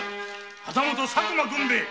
旗本・佐久間軍兵衛。